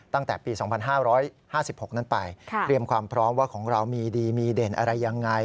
ตั้งแต่ปี๒๕๕๖นั้นไปเตรียมความพร้อมว่าของเรามีดีมีเด่นอะไรยังไง